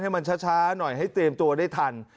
ให้มันช้าหน่อยให้เตรียมตัวได้ทัน